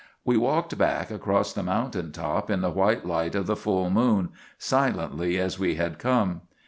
"We walked back across the mountain top in the white light of the full moon, silently as we had come.